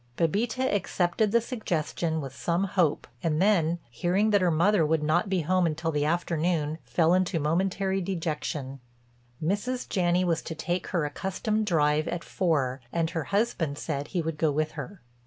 Bébita accepted the suggestion with some hope and then, hearing that her mother would not be home until the afternoon, fell into momentary dejection. Mrs. Janney was to take her accustomed drive at four and her husband said he would go with her.